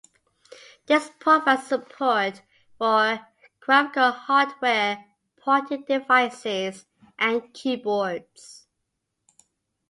This provides support for graphical hardware, pointing devices, and keyboards.